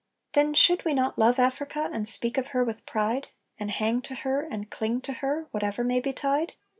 Then should we not love Africa, and speak of her with pride, And hang to her and cling to her whatever may betide?